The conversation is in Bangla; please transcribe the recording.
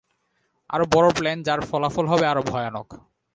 আরো বড় প্ল্যান যার ফলাফল হবে আরো ভয়ানক।